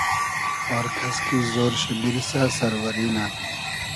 آر کئس کی زۉر شی بیرسۂ سئروئری نۂ